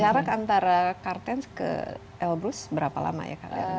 arah antara kartens ke elbrus berapa lama ya kalian ini